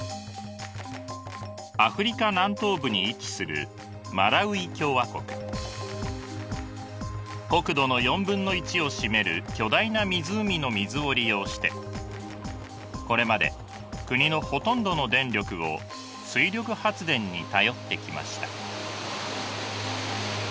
アフリカ南東部に位置する国土の４分の１を占める巨大な湖の水を利用してこれまで国のほとんどの電力を水力発電に頼ってきました。